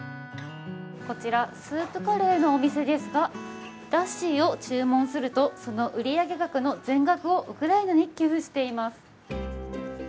こちらスープカレーのお店ですがラッシーを注文すると、その売上額の全額をウクライナに寄付しています。